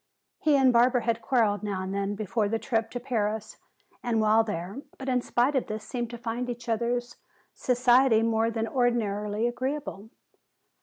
He and Barbara had quarreled now and then before the trip to Paris and while there, but in spite of this seemed to find each other's society more than ordinarily agreeable.